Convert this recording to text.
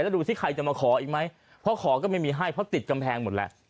แล้วดูสิใครจะมาขออีกไหมเพราะขอก็ไม่มีให้เพราะติดกำแพงหมดแล้ว